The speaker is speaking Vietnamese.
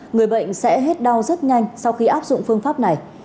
người bệnh sẽ hết đau rất nhanh sau khi áp dụng phương pháp này